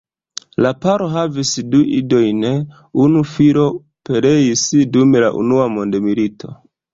La paro havis du idojn; unu filo pereis dum la unua mondmilito.